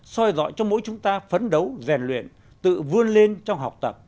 soi dọi cho mỗi chúng ta phấn đấu rèn luyện tự vươn lên trong học tập